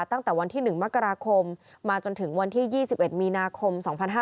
ตั้งแต่วันที่๑มกราคมมาจนถึงวันที่๒๑มีนาคม๒๕๕๙